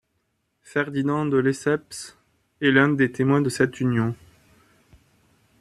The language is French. Ferdinand de Lesseps est l'un des témoins de cette union.